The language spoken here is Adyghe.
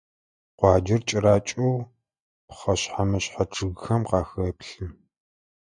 Къуаджэр кӀэракӀэу пхъэшъхьэ-мышъхьэ чъыгхэм къахэплъы.